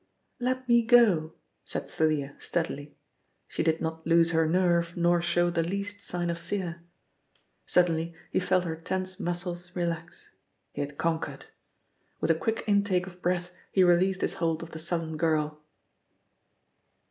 "Let me go," said Thalia steadily. She did not lose her nerve nor show the least sign of fear. Suddenly he felt her tense muscles relax. He had conquered. With a quick intake of breath he released his hold of the sullen girl.